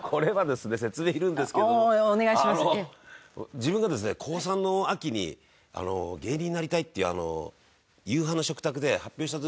自分がですね高３の秋に「芸人になりたい」って夕飯の食卓で発表した時に。